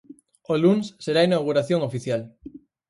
O luns será a inauguración oficial.